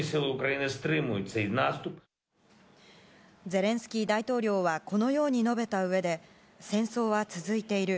ゼレンスキー大統領はこのように述べたうえで、戦争は続いている。